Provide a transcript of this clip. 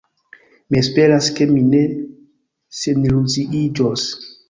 Mi esperas, ke mi ne seniluziiĝos.